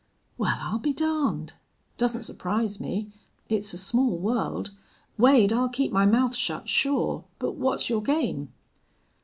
"Wal, I'll be darned! Doesn't surprise me. It's a small world.... Wade, I'll keep my mouth shut, sure. But what's your game?"